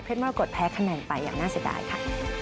เพชรมรกฎแพ้คะแหน่งไปอย่างน่าสิบ่ายค่ะ